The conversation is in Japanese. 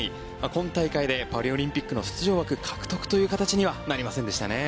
今大会でパリオリンピックの出場枠獲得という形にはなりませんでしたね。